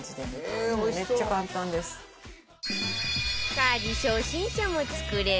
家事初心者も作れる